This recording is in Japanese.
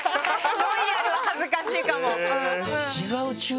「ロイヤル」は恥ずかしいかも。